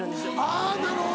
あぁなるほど。